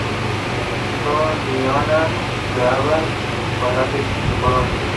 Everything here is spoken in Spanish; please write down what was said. Son lianas, glabras; con el látex incoloro.